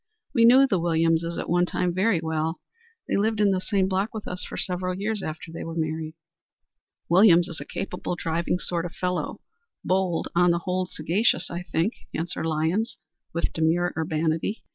We knew the Williamses at one time very well. They lived in the same block with us for several years after we were married." "Williams is a capable, driving sort of fellow. Bold, but on the whole sagacious, I think," answered Lyons, with demure urbanity.